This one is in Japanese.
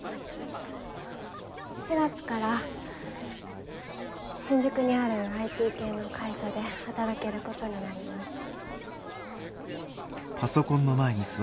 ・４月から新宿にあるＩＴ系の会社で働けることになりました。